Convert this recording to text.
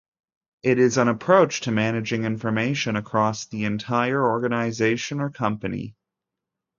It is an approach to managing information across the entire organization or company.